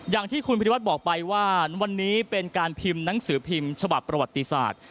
อย่างที่คุณพิรวัตรบอกไปว่าวันนี้เป็นการพิมพ์หนังสือพิมพ์ฉบับประวัติศาสตร์